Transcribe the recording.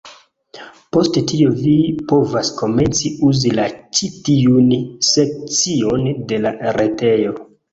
Post tio vi povas komenci uzi la ĉi tiun sekcion de la retejo.